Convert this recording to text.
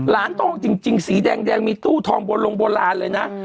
ล้านทองที่จริงสีแดงมีตู้ทองโบราณเลยนะ